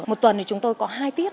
một tuần thì chúng tôi có hai tiết